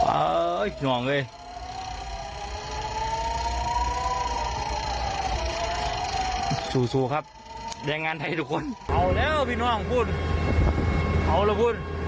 โอ้โหเวลานี้เบิน๑๐ครับ